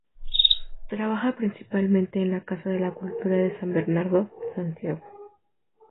Trabaja principalmente en la casa de la cultura de San Bernardo, Santiago.